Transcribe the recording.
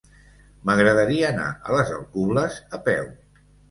M'agradaria anar a les Alcubles a peu.